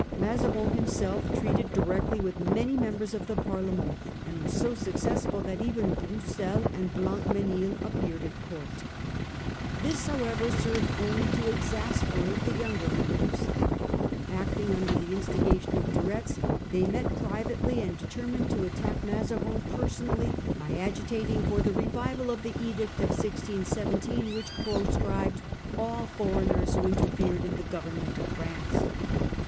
Mazarin himself treated directly with many members of the Parlement \ and was so successful that even Broussel and Blancmdsnil appeared at court. This however served only to exasperate the younger members. Acting under the instigation of De Retz they met pri vately and determined to attack Mazarin personally by 3 » The Parliamentary Fronde . 1648. agitating for the revival of the edict of 1617, which pro scribed all foreigners who interfered in the government of France.